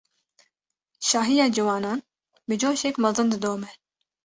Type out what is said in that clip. Şahiya Ciwanan, bi coşek mezin didome